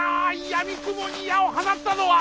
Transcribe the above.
やみくもに矢を放ったのは！